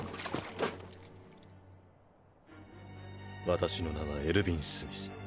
私の名はエルヴィン・スミス。